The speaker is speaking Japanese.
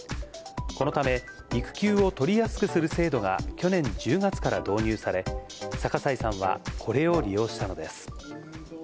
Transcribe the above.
このため、育休を取りやすくする制度が、去年１０月から導入され、逆井さんは、これを利用したのです。